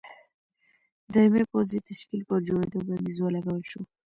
دایمي پوځي تشکیل پر جوړېدو بندیز ولګول شو.